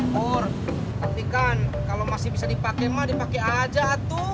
tapi kan kalau masih bisa dipakai mah dipakai aja tuh